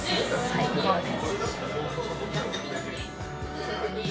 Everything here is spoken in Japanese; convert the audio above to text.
最高です。